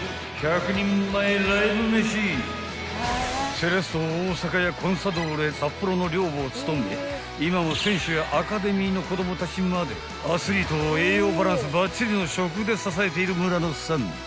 ［セレッソ大阪やコンサドーレ札幌の寮母を務め今も選手やアカデミーの子供たちまでアスリートを栄養バランスばっちりの食で支えている村野さん］